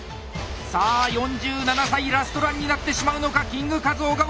さあ４７歳ラストランになってしまうのかキングカズ小川。